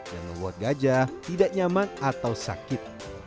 dan membuat gajah tidak nyaman atau sakit